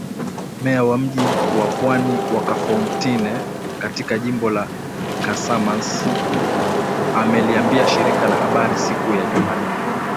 Meya wa mji wa pwani wa Kafountine katika jimbo la Kasamance ameliambia shirika la habari siku ya Jumanne.